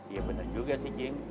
iya bener juga sih cik